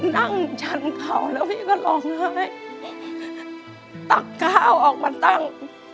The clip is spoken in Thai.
นั่งชั้นเขาแล้วพี่ก็ร้องไห้ตักก้าวออกมาตั้ง